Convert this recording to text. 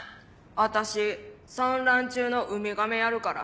私産卵中のウミガメやるから。